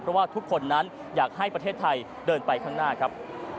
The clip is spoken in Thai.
เพราะว่าทุกคนนั้นอยากให้ประเทศไทยเดินไปข้างหน้าครับ